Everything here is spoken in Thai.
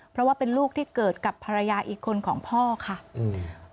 เพราะว่าเป็นลูกที่เกิดกับภรรยาอีกคนของพ่อค่ะอืม